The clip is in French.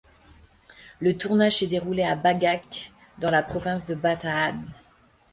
Le tournage s'est déroulé à Bagac, dans la province de Bataan.